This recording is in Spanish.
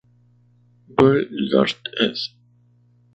Bl.-gärtn., ed.